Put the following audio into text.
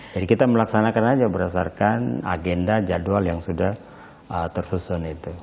jadi kita melaksanakan aja berdasarkan agenda jadwal yang sudah tersusun itu